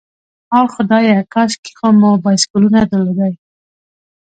آه خدایه، کاشکې خو مو بایسکلونه درلودای.